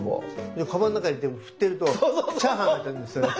でかばんの中に入れて振ってるとチャーハンになってるんですよね。